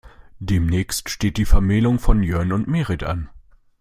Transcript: Demnächst steht die Vermählung von Jörn und Merit an.